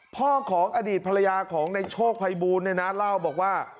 พ่อของอดีตภรรยาของในโชคภัยบูลเนี่ยนะเล่าบอกว่า